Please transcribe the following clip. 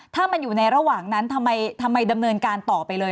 ถ้ามันอยู่ในระหว่างนั้นทำไมดำเนินการต่อไปเลย